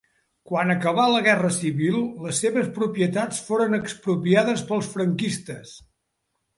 Quan acabà la guerra civil les seves propietats foren expropiades pels franquistes.